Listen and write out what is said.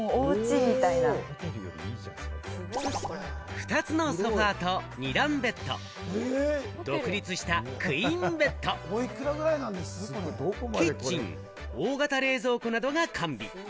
２つのソファと２段ベッド、独立したクイーンベッド、キッチン、大型冷蔵庫などが完備。